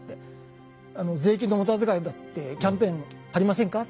あの税金の無駄遣いだってキャンペーン張りませんか？